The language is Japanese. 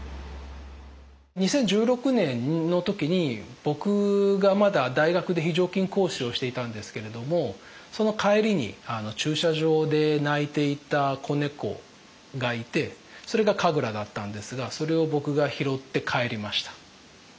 ２０１６年の時に僕がまだ大学で非常勤講師をしていたんですけれどもその帰りに駐車場で鳴いていた子猫がいてそれがカグラだったんですがそれを僕が拾って帰りました。